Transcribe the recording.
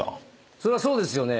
そりゃそうですよね。